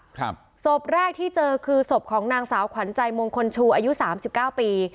ครับศพแรกที่เจอคือศพของนางสาวขวัญใจมงคลชูอายุสามสิบเก้าปี